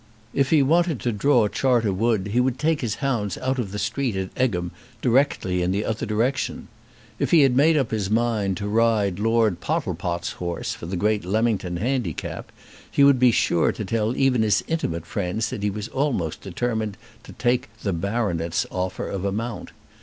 If he wanted to draw Charter Wood he would take his hounds out of the street at Egham directly in the other direction. If he had made up his mind to ride Lord Pottlepot's horse for the great Leamington handicap, he would be sure to tell even his intimate friends that he was almost determined to take the "baronet's" offer of a mount.